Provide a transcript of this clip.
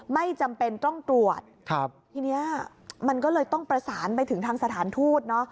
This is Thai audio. ไม่จำเป็นต้องตรวจครับทีนี้มันก็เลยต้องประสานไปถึงทางสถานทูตเนอะ